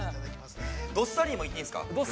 ◆どっさりも行っていいですか。